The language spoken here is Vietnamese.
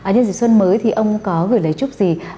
nhân dịp xuân mới thì ông có gửi lời chúc gì